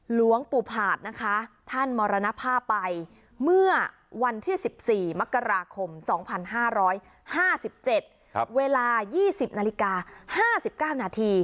หลวงปู่ผาดนะคะท่านมรณภาพไปเมื่อวันที่๑๔มกราคม๒๕๕๗เวลา๒๐นาฬิกา๕๙นาที